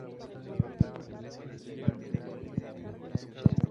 Habita en India y Bután.